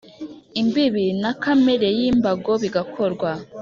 imbibi na kamere by imbago bigakorwa